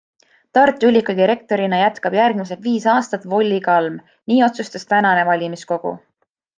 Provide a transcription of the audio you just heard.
Tartu Ülikooli rektorina jätkab järgmised viis aastat Volli Kalm, nii otsustas tänane valimiskogu.